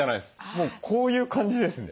もうこういう感じですね。